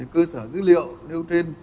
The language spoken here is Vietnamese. cơ sở dữ liệu